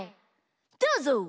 どうぞ！